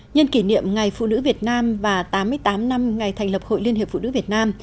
nhân kỷ niệm ngày phụ nữ việt nam và tám mươi tám năm ngày thành lập hội liên hiệp phụ nữ việt nam